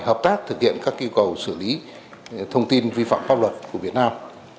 hợp tác thực hiện các yêu cầu xử lý thông tin vi phạm pháp luật của việt nam